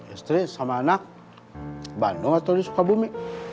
istri sama anak bandung atau di sukabumi